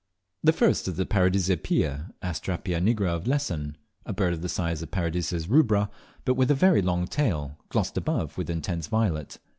The first is the Paradise pie (Astrapia nigra of Lesson), a bird of the size of Paradises rubra, but with a very long tail, glossed above with intense violet.